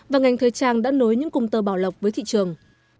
và ngành thời trang đã nối những cung tơ bảo lộc với thị trường